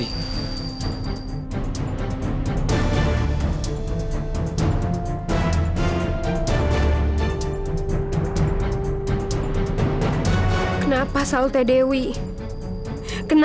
aku tidak miliki orang orang lain oleh karena akhirnyak separated nya